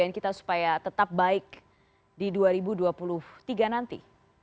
kita supaya tetap baik di dua ribu dua puluh tiga nanti